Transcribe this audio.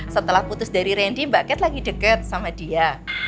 setelah putus dari randy mbak cat lagi deket sama dia